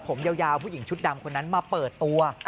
ผมยาวผู้หญิงชุดดำคนนั้นมาเปิดตัว